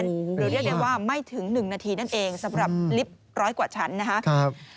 หรือเรียกได้ว่าไม่ถึง๑นาทีนั่นเองสำหรับลิฟต์ร้อยกว่าชั้นนะครับ